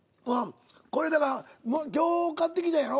これだから今日買ってきたんやろ？